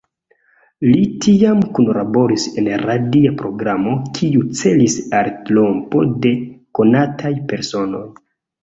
Li tiam kunlaboris en radia programo, kiu celis al trompo de konataj personoj.